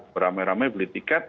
beramai ramai beli tiket